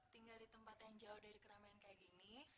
tinggal di tempat yang jauh dari keramaian kayak gini